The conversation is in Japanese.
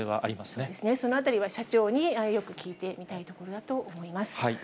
そうですね、そのあたりは社長によく聞いてみたいところだと思います。